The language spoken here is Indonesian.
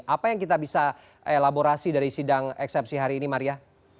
apa yang kita bisa elaborasi dari sidang eksepsi hari ini maria